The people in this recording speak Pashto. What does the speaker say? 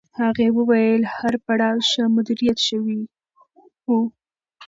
هغې وویل هر پړاو ښه مدیریت شوی و.